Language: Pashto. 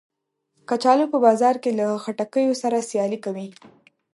کچالو په بازار کې له خټکیو سره سیالي کوي